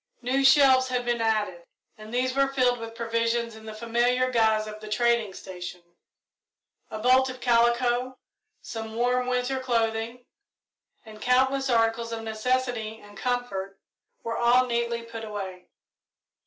New shelves had been added, and these were filled with provisions in the familiar guise of the trading station. A bolt of calico, some warm winter clothing, and countless articles of necessity and comfort were all neatly put away.